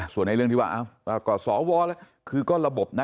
ส่วนในเรื่องที่ว่าก็สวแล้วคือก็ระบบนะ